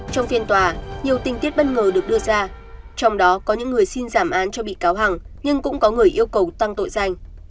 trong phiên tòa nhiều tình tiết bất ngờ được đưa ra trong đó có những người xin giảm án cho bị cáo hằng nhưng cũng có người yêu cầu tăng tội danh